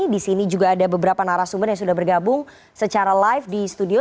di sini juga ada beberapa narasumber yang sudah bergabung secara live di studio